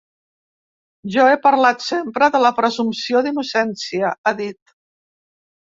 Jo he parlat sempre de la presumpció d’innocència, ha dit.